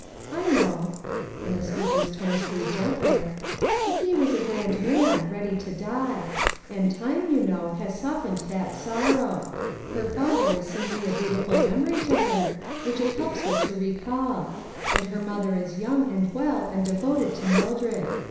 "I know," and the speaker's tones grew gentler, " but he was a grand man, ready to die ; and time, you know, has softened that sorrow. Her father is simply a beauti ful memory to her, which it helps her to recall. And her mother is young, and well, and devoted to Mildred.